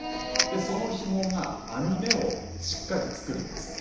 そのヒモがあみ目をしっかり作るんですよ。